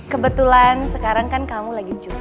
kebetulan sekarang kan kamu udah berada di rumah aku